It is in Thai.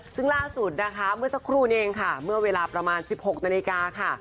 ซึ่งล่าสุดนะคะเมื่อสักครู่นี้เองค่ะเมื่อเวลาประมาณ๑๖นาฬิกาค่ะ